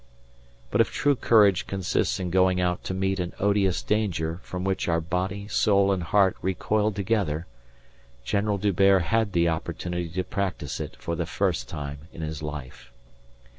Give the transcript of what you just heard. But if true courage consists in going out to meet an odious danger from which our body, soul and heart recoil together General D'Hubert had the opportunity to practise it for the first time in his life.